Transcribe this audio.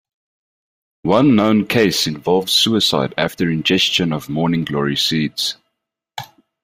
One known case involves suicide after ingestion of morning glory seeds.